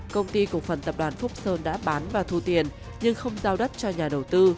công ty cổ phần tập đoàn phúc sơn đã bán và thu tiền nhưng không giao đất cho nhà đầu tư